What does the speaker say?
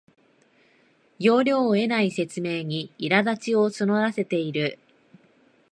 要領を得ない説明にいらだちを募らせている